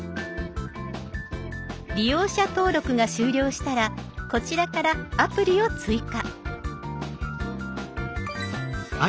利用者登録が終了したらこちらからアプリを追加。